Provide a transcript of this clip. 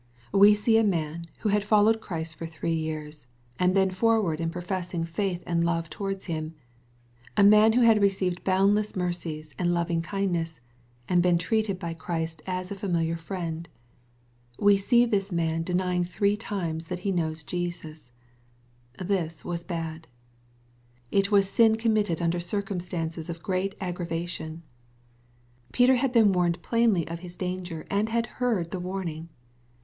We see a man, who had followed Christ for three years, and been forward in professing faith and love towards Him, — a man who had received boundless mercies, and loving kindness, and been treated by Christ as a familiar friend, — we see this man denying three times that he knows Jesus 1 — This was bad. — It was sin committed under circumstances of great aggra vation. Peter had been warned plainly of his danger, and had heard the warning.